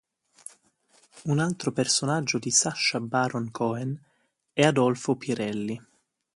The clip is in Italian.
Un altro personaggio di Sacha Baron Cohen è Adolfo Pirelli.